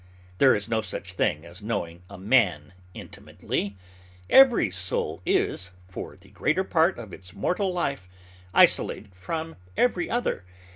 There is no such thing as knowing a man intimately. Every soul is, for the greater part of its mortal life, isolated from every other.